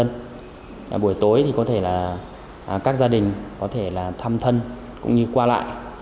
cái cuộc sống của bà con nhân dân buổi tối thì có thể là các gia đình có thể là thăm thân cũng như qua lại